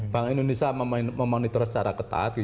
bank indonesia memonitor secara ketat